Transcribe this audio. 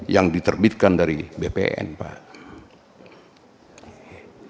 yang diterbitkan dari bpn pak